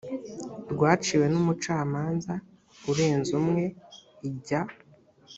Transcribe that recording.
rwaciwe n umucamanza urenze umwe ijya